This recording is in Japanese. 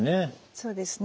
そうですね。